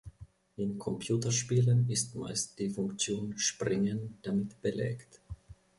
In Computerspielen ist meist die Funktion "Springen" damit belegt.